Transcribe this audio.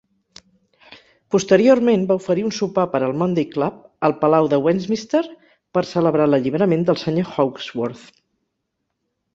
Posteriorment va oferir un sopar per al Monday Club al Palau de Westminster per celebrar l'alliberament del Sr.Hawksworth.